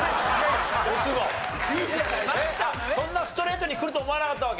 そんなストレートにくると思わなかったわけ？